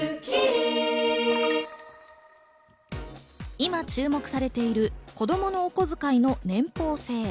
今注目されている子供のお小遣いの年俸制。